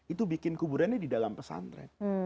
itu bikin kuburannya di dalam pesantren